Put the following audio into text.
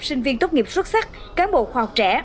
sinh viên tốt nghiệp xuất sắc cán bộ khoa học trẻ